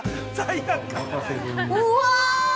◆うわ！